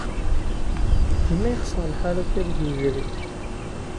Dima yexṣer lḥal akka deg Yebrir?